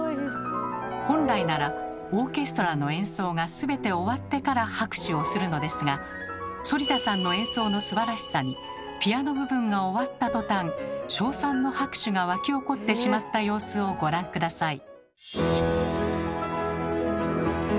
本来ならオーケストラの演奏が全て終わってから拍手をするのですが反田さんの演奏のすばらしさにピアノ部分が終わった途端称賛の拍手が沸き起こってしまった様子をご覧下さい。